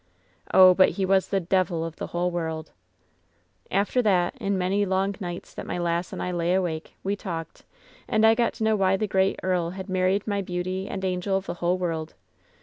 "Oh, but he was the devil of the whole world ! "After that, in many long nights that my lass and I lay awake, we talked, and I got to know why the great earl had married my beauty and angel of the whole world.